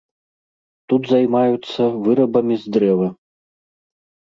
Тут займаюцца вырабамі з дрэва.